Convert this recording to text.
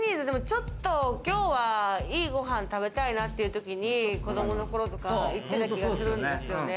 ちょっと今日はいいご飯食べたいなっていうときに子供の頃とか行ってた気がするんですよね。